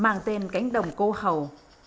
mang tên cánh đồng cô hầu